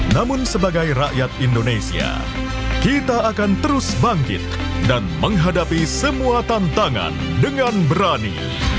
namun sebagai rakyat indonesia kita akan terus bangkit dan menghadapi semua tantangan dengan berani